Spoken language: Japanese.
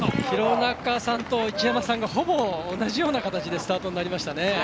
廣中さんと一山さんがほぼ同じような形でスタートになりましたね。